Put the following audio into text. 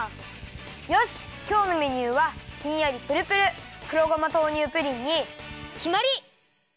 よしきょうのメニューはひんやりプルプル黒ごま豆乳プリンにきまり！